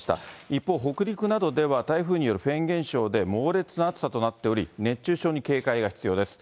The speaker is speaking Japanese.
一方、北陸などでは台風によるフェーン現象で猛烈な暑さとなっており、熱中症に警戒が必要です。